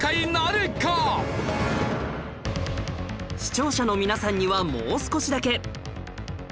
視聴者の皆さんにはもう少しだけ